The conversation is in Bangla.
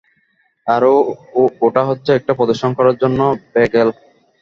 আর ওটা হচ্ছে একটা প্রদর্শন করার জন্য ব্যাগেল।